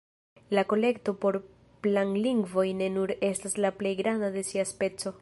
La Kolekto por Planlingvoj ne nur estas la plej granda de sia speco.